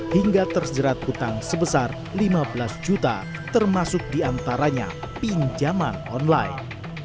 hingga terjerat utang sebesar lima belas juta termasuk diantaranya pinjaman online